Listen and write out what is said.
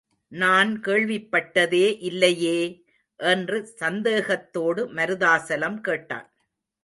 நான் கேள்விப்பட்டதே இல்லையே! என்று சந்தேகத்தோடு மருதாசலம் கேட்டான்.